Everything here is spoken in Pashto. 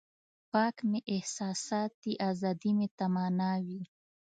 پاک مې احساسات دي ازادي مې تمنا وي.